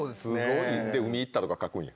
で、海に行ったとか書くんや。